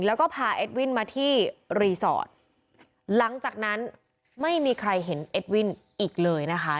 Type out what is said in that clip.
แล้วก็พาเอ็ดวินมาที่รีสอร์ทหลังจากนั้นไม่มีใครเห็นเอ็ดวินอีกเลยนะคะ